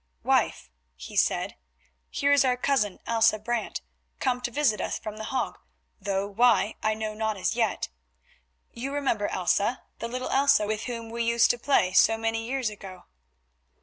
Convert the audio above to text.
"Wife," he said, "here is our cousin, Elsa Brant, come to visit us from The Hague, though why I know not as yet. You remember Elsa, the little Elsa, with whom we used to play so many years ago."